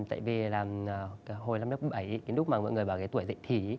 tại vì là hồi năm lớp bảy lúc mà mọi người bảo cái tuổi dạy thí